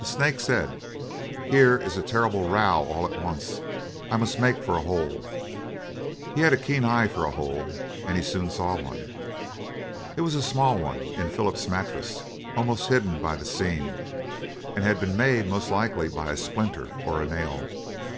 The snake said, "Here is a terrible row all at once, I must make for a hole." He had a keen eye for a hole, and he soon saw one. It was a small one, in Philip's mattress, almost hidden by the seam, and had been made most likely by a splinter or a nail.